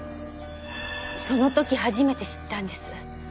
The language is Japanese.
その時初めて知ったんです。